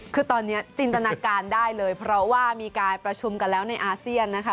คือตอนนี้จินตนาการได้เลยเพราะว่ามีการประชุมกันแล้วในอาเซียนนะคะ